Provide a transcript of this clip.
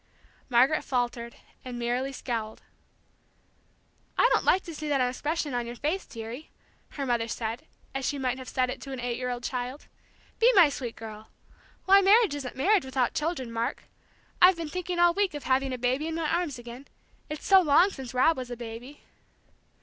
Margaret faltered, and merely scowled. "I don't like to see that expression on your face, dearie," her mother said, as she might have said it to an eight year old child. "Be my sweet girl! Why, marriage isn't marriage without children, Mark. I've been thinking all week of having a baby in my arms again, it's so long since Rob was a baby."